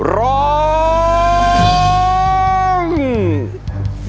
รออกกเรา